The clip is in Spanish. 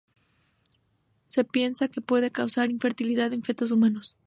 Se piensa que puede causar infertilidad en fetos humanos.